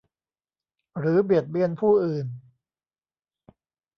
หรือเบียดเบียนผู้อื่น